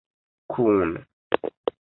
kun